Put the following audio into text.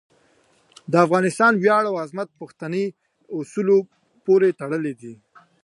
د افغانستان ویاړ او عظمت پښتني اصولو پورې تړلی دی.